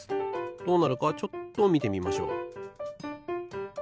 どうなるかちょっとみてみましょう。